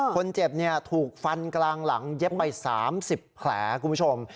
คนเจ็บถูกฟันกลางหลังเย็บไป๓๐แขล